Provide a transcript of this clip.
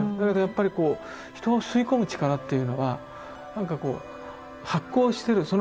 だけどやっぱりこう人を吸い込む力っていうのは何かこう発光してる。